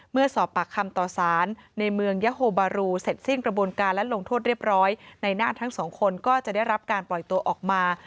เมื่อสอบปากคำต่อสารในเมืองยะโฮบารูเสร็จสิ้นกระบวนการและลงโทษเรียบร้อยในหน้าทั้งสองคนก็จะได้รับการปล่อยตัวออกมา